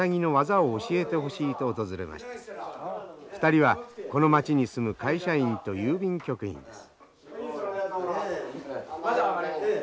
２人はこの町に住む会社員と郵便局員です。